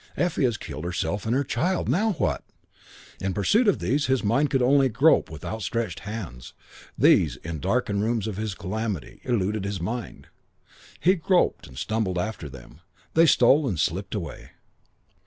"Effie has killed herself and her child now what?" In pursuit of these his mind could only grope with outstretched hands; these, in the dark room of his calamity, eluded his mind. He groped and stumbled after them. They stole and slipped away.